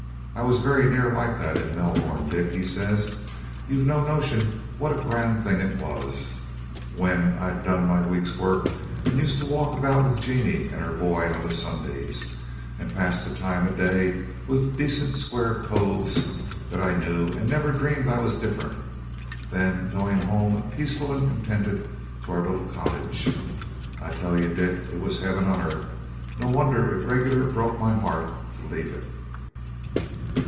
I was very near like that in Melbourne, Dick,' he says; 'you've no notion what a grand thing it was when I'd done my week's work, and used to walk about with Jeanie and her boy on Sundays, and pass the time of day with decent square coves that I knew, and never dreamed I was different; then the going home peaceful and contented to our own little cottage; I tell you, Dick, it was heaven on earth. No wonder it regular broke my heart to leave it.'